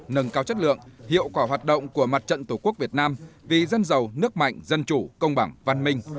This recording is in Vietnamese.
nâng cao chất lượng hiệu quả hoạt động của mặt trận tổ quốc việt nam vì dân giàu nước mạnh dân chủ công bằng văn minh